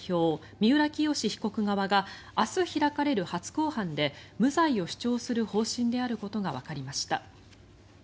三浦清志被告側が明日開かれる初公判で無罪を主張する方針であることがわかりました。